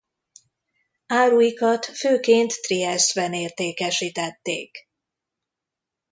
Áruikat főként Triesztben értékesítették.